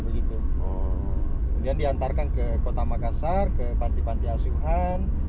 kemudian diantarkan ke kota makassar ke panti panti asuhan